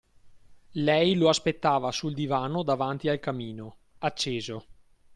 Lei lo aspettava sul divano davanti al camino, acceso.